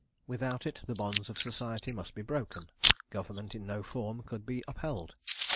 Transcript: Without it the bonds of society must be broken government in no form could be upheld.